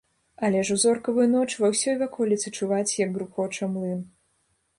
Але ж у зоркавую ноч ва ўсёй ваколіцы чуваць, як грукоча млын.